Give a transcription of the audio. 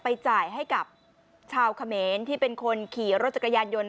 จ่ายให้กับชาวเขมรที่เป็นคนขี่รถจักรยานยนต์